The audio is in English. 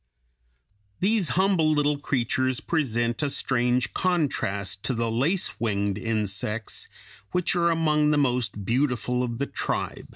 These humble little creatures present a strange contrast to the lace winged insects which are among the most beautiful of the tribe.